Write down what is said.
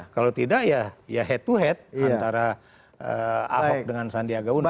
kalau tidak ya head to head antara ahok dengan sandiaga uno